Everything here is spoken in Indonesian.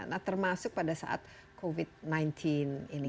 nah termasuk pada saat covid sembilan belas ini